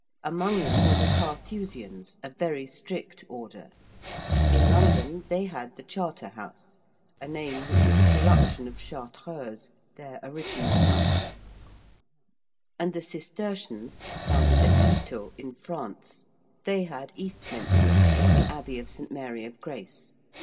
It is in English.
Among them were the Carthusians, a very strict Order in London they had the Charter House, a name which is a corruption of Chartreuse, their original House: and the Cistercians, founded at Citeaux in France they had Eastminster, or the Abbey of St. Mary of Grace.